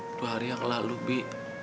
dua hari yang lalu bi